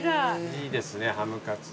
いいですねハムカツ。